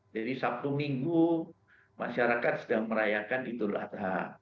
jadi sabtu minggu masyarakat sedang merayakan idul adha